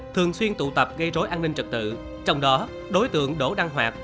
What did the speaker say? thường xuyên tụ tập gây rối an ninh trật tự trong đó đối tượng đỗ đăng hoạt